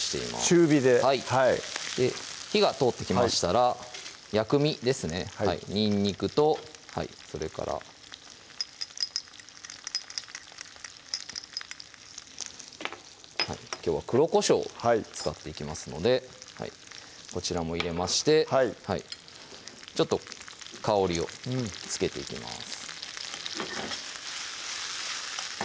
中火ではい火が通ってきましたら薬味ですねにんにくとそれからきょうは黒こしょうを使っていきますのでこちらも入れましてちょっと香りをつけていきます